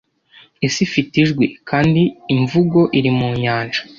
Isi ifite ijwi, kandi imvugo iri mu nyanja,